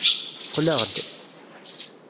Qqleɣ-d.